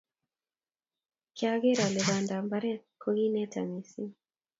Kiager ale bandap mbar kokiineta missing